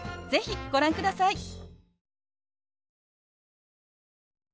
是非ご覧ください。